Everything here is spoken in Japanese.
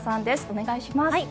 お願いします。